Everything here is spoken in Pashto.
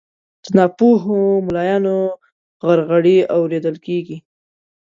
د ناپوهو ملایانو غرغړې اورېدل کیږي